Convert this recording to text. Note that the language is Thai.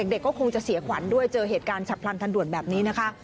เด็กก็คงจะเสียขวัญด้วยเจอเหตุการณ์ฉับพลันทันด่วนแบบนี้นะคะ